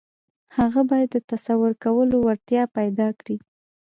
هغه بايد د تصور کولو وړتيا پيدا کړي.